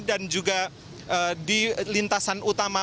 dan juga di lintasan utama